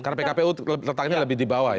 karena pkpu letaknya lebih di bawah ya